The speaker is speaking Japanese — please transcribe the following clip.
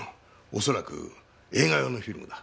恐らく映画用のフィルムだ。